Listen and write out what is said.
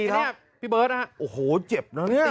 เหล็กเนี้ยพี่เบิร์ตอ่ะโอ้โหเจ็บนะเนี้ย